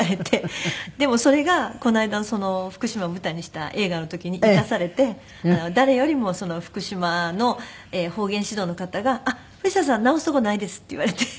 でもそれがこの間の福島を舞台にした映画の時に生かされて誰よりも福島の方言指導の方が「藤田さん直すとこないです」って言われて。